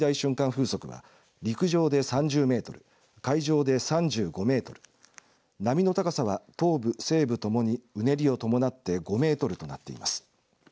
風速は陸上で３０メートル海上で３５メートル波の高さは、東部西部ともにうねりを伴って５メートルとなっています。